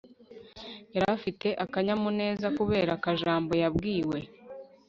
yarafite akanyamuneza kubera akajambo yabwiwe